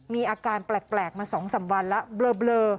มีอาการแปลกมา๒๓วันแล้วเบลอ